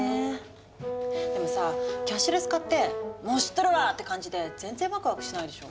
でもさキャッシュレス化って「もう知っとるわ！」って感じで全然ワクワクしないでしょ。